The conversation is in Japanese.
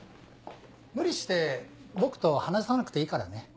無理して僕と話さなくていいからね。